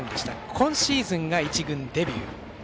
今シーズンが１軍デビュー。